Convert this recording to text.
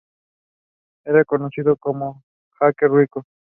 Era conocido como un jeque rico.